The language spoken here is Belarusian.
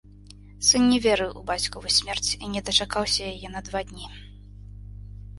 Сын не верыў у бацькаву смерць і не дачакаўся яе на два дні.